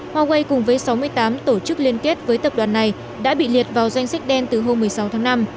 huawei cùng với sáu mươi tám tổ chức liên kết với tập đoàn này đã bị liệt vào danh sách đen từ hôm một mươi sáu tháng năm